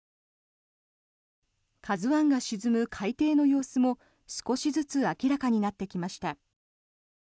「ＫＡＺＵ１」が沈む海底の様子も少しずつ明らかになってきました。